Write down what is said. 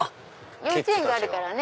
幼稚園があるからね。